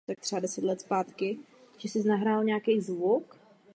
Byl středoškolským učitelem.